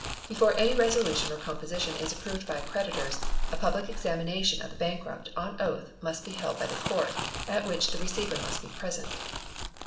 Before any resolution or composition is approved by creditors, a public examination of the bankrupt, on oath, must be held by the Court, at which the Receiver must be present.